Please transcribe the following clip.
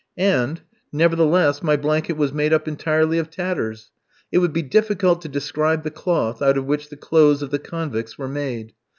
And, nevertheless, my blanket was made up entirely of tatters. It would be difficult to describe the cloth out of which the clothes of the convicts were made.